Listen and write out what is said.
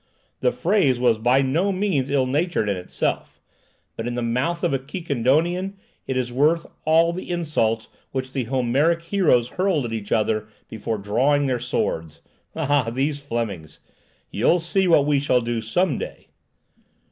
"The phrase was by no means ill natured in itself, but, in the mouth of a Quiquendonian, it is worth all the insults which the Homeric heroes hurled at each other before drawing their swords, Ah, these Flemings! You'll see what we shall do some day!"